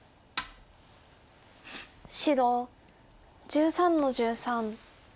白１３の十三。